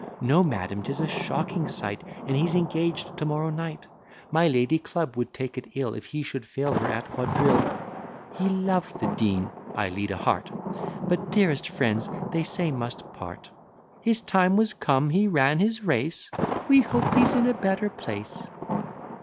No, madam, 'tis a shocking sight: And he's engaged to morrow night: My Lady Club wou'd take it ill, If he shou'd fail her at quadrille. He loved the Dean (I lead a heart,) But dearest friends, they say, must part. His time was come: he ran his race; We hope he's in a better place."